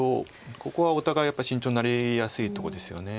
ここはお互いやっぱり慎重になりやすいとこですよね。